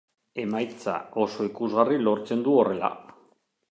Emaitza oso ikusgarri lortzen du horrela.